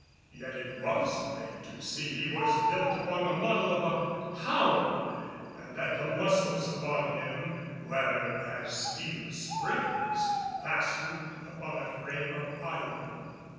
Yet it was plain to see he was built upon the model of a hound, and that the muscles upon him were as steel springs fastened upon a frame of iron.